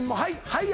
「はい」